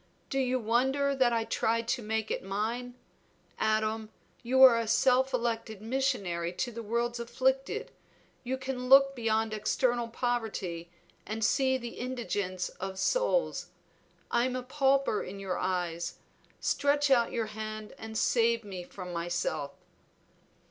Do you wonder that I tried to make it mine? Adam, you are a self elected missionary to the world's afflicted; you can look beyond external poverty and see the indigence of souls. I am a pauper in your eyes; stretch out your hand and save me from myself."